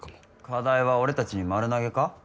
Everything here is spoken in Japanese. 課題は俺たちに丸投げか？